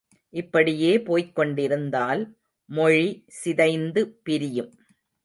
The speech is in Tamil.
இப்படியே போய்க்கொண்டிருந்தால் மொழி சிதைந்து பிரியும்.